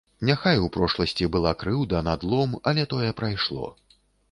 Няхай у прошласці была крыўда, надлом, але тое прайшло.